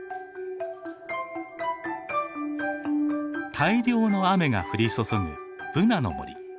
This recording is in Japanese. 大量の雨が降り注ぐブナの森。